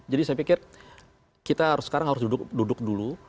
jadi saya pikir kita sekarang harus duduk dulu